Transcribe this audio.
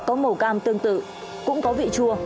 có màu cam tương tự cũng có vị chua